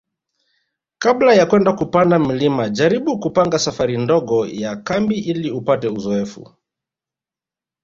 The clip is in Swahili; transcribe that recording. Kabla ya kwenda kupanda mlima jaribu kupanga safari ndogo ya kambi ili upate uzoefu